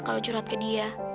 kalau curhat ke dia